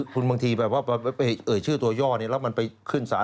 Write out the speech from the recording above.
คุณบางทีไปเอ่ยชื่อตัวย่อนี่แล้วมันไปขึ้นสาร